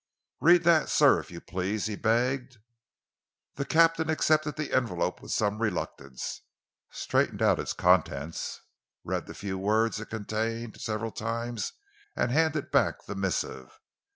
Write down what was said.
"Read that, sir, if you please," he begged. The captain accepted the envelope with some reluctance, straightened out its contents, read the few words it contained several times, and handed back the missive.